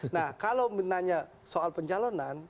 nah kalau menanya soal pencalonan